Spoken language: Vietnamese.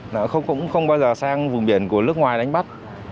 nó cũng không bao giờ sang vùng biển của nước ngoài đánh bắt